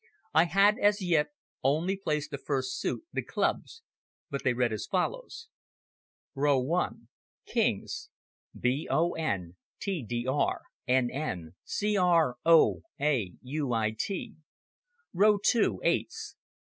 I had, as yet, only placed the first suite, the clubs, but they read as follows: King. B O N T D R N N C R O A U I T Eight.